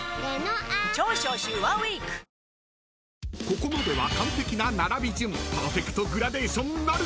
［ここまでは完璧な並び順パーフェクトグラデーションなるか？］